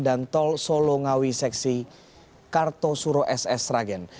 dan tol solongawi seksi kartosuro ss ragen